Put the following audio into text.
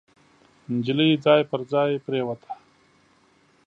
نجلۍ ځای پر ځای پريوته.